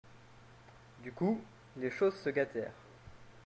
Du coup, les choses se gâtèrent.